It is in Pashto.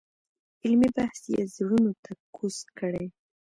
علمي بحث یې زړونو ته کوز کړی.